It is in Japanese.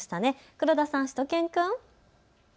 黒田さん、しゅと犬くん。